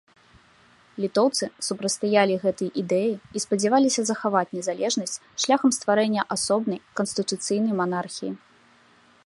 Літоўцы супрацьстаялі гэтай ідэі і спадзяваліся захаваць незалежнасць шляхам стварэння асобнай канстытуцыйнай манархіі.